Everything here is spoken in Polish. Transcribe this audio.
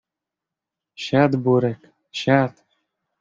Siad Burek, siad!